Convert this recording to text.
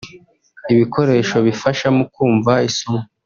ibikoresho bifasha mu kumva isomo